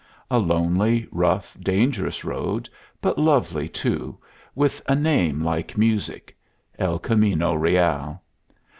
A lonely, rough, dangerous road, but lovely, too, with a name like music El Camino Real.